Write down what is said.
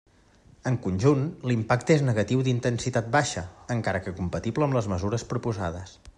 En conjunt, l'impacte és negatiu d'intensitat baixa, encara que compatible amb les mesures proposades.